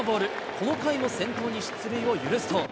この回も先頭に出塁を許すと。